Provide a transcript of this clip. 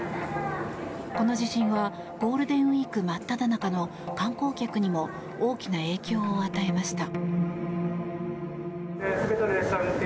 この地震はゴールデンウィーク真っただ中の観光客にも大きな影響を与えました。